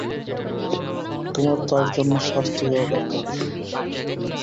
তোমার তার জন্যে শাস্তি হওয়া দরকার।